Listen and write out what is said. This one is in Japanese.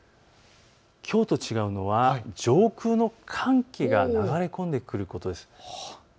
きょうと違うのが上空の寒気が流れ込んでくることです。